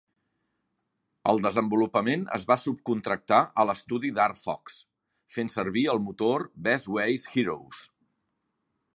El desenvolupament es va subcontractar a l'estudi Dark Fox, fent servir el motor Best Way's Heroes.